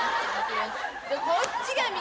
こっちが右。